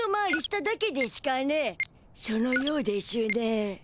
そのようでしゅね。